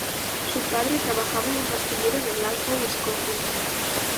Su padre trabajaba en los astilleros de Glasgow, Escocia.